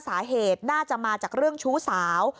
สาเหตุน่าจะมาจากเรื่องชู้สาว